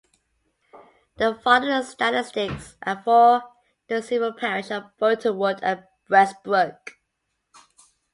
The following statistics are for the civil parish of Burtonwood and Westbrook.